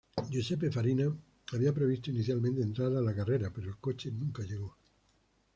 Giuseppe Farina había previsto inicialmente entrar a la carrera, pero el coche nunca llegó.